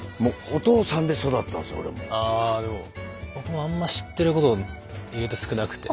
僕もあんま知ってること意外と少なくて。